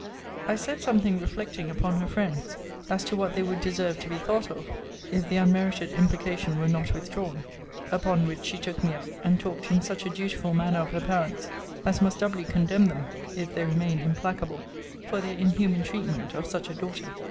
I said something reflecting upon her friends; as to what they would deserve to be thought of, if the unmerited imprecation were not withdrawn. Upon which she took me up, and talked in such a dutiful manner of her parents as must doubly condemn them (if they remain implacable) for their inhuman treatment of such a daughter.